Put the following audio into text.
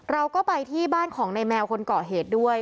เราก็ไปที่บ้านของในแมวคนเกาะเหตุด้วย